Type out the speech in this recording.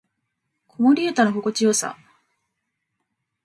子守唄の心地よさ